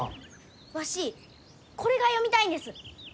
わしこれが読みたいんです。